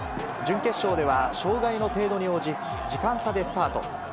準決勝では障がいの程度に応じ、時間差でスタート。